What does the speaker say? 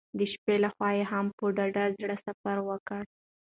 د شپې له خوا هم په ډاډه زړه سفر وکړئ.